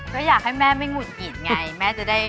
เจ้าอยากให้แม่ไม่หนุนอินไงแม่จะได้